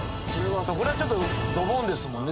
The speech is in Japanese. これはちょっとドボンですもんね